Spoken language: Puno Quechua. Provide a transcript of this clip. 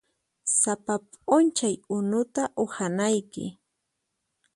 Sapa p'unchay unuta uhanayki.